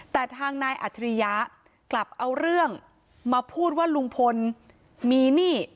แต่ทางนายอัจฉริยะกลับเอาเรื่องมาพูดว่าลุงพลมีหนี้